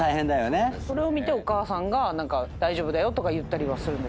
それを見てお母さんが大丈夫だよとか言ったりはする？